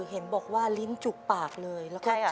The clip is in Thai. เห็นบอกว่าลิ้นจุกปากเลย